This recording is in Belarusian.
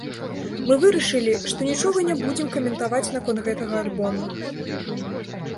Мы вырашылі, што нічога не будзем каментаваць наконт гэтага альбома.